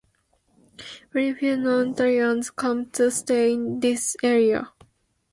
Very few non-Italians come to stay in this area.